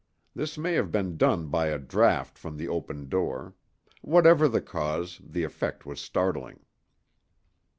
This may have been done by a draught from the opened door; whatever the cause, the effect was startling.